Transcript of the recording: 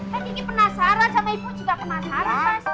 kan kiki penasaran sama ibu juga penasaran pasti